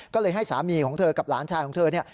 ก็เลยให้สามีของเธอกับหลานชายของเธอเนี่ย